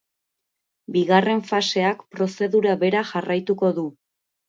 Bigarren faseak prozedura bera jarraituko du.